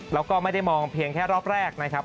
แล้วก็ไม่ได้มองเพียงแค่รอบแรกนะครับ